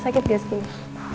sakit gak sih